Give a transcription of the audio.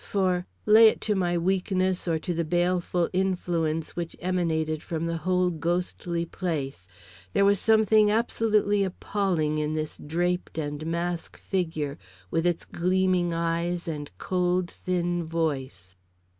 For, lay it to my weakness or to the baleful influence which emanated from the whole ghostly place, there was something absolutely appalling in this draped and masked figure with its gleaming eyes and cold, thin voice.